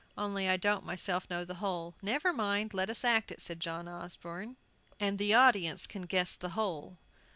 Only I don't myself know the whole." "Never mind, let us act it," said John Osborne, "and the audience can guess the whole."